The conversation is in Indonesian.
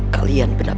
kau tidak mau berdiri